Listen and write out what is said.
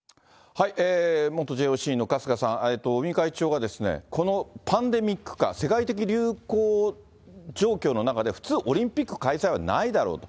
元ＪＯＣの春日さん、尾身会長が、このパンデミック下、世界的流行状況の中で、普通、オリンピック開催はないだろうと。